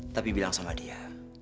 tapi bilang sama dia